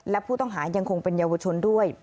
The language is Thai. และผู้ต้องหายังคงเป็นเยาวชนด้วย